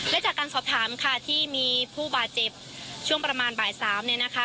และจากการสอบถามค่ะที่มีผู้บาดเจ็บช่วงประมาณบ่ายสามเนี่ยนะคะ